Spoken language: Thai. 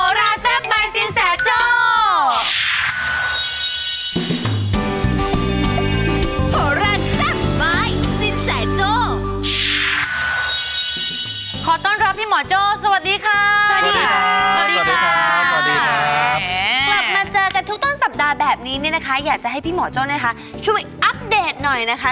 กลับมาเจอกันทุกต้นสัปดาห์แบบนี้เนี่ยนะคะอยากจะให้พี่หมอโจ้นะคะช่วยอัปเดตหน่อยนะคะ